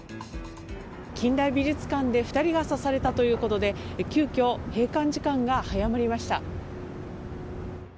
近代美術館で２人が刺されたということで急きょ、閉館時間が早まりました。